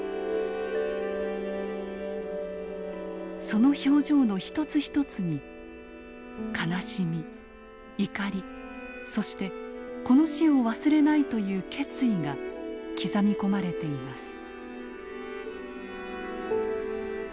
その表情の一つ一つに悲しみ怒りそしてこの死を忘れないという決意が刻み込まれています。